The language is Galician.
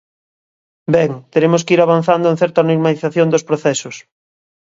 Ben, teremos que ir avanzando en certa normalización dos procesos.